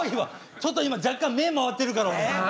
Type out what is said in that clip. ちょっと今若干目回ってるから俺。